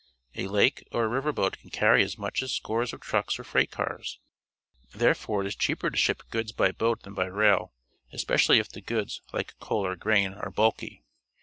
A lake or a river boat can carry as much as scores of trucks or freight cars. Therefore it is cheaper to ship goods by boat than by rail, especially if the goods, like coal or grain, are bulky.